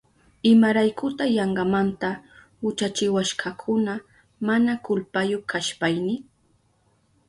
¿Imaraykuta yankamanta uchachiwashkakuna mana kulpayu kashpayni?